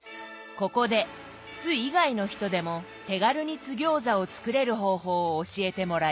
ここで津以外の人でも手軽に津ぎょうざを作れる方法を教えてもらいます。